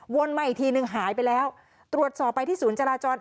มาอีกทีนึงหายไปแล้วตรวจสอบไปที่ศูนย์จราจร